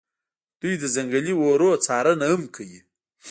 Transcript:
دوی د ځنګلي اورونو څارنه هم کوي